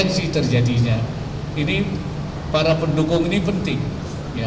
untuk tidak melakukan hal hal yang berbeda